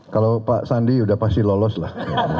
kalau pak sandi sudah pasti lolos lah